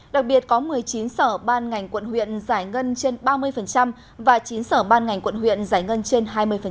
đặc biệt có một mươi chín sở ban ngành quận huyện giải ngân trên ba mươi và chín sở ban ngành quận huyện giải ngân trên hai mươi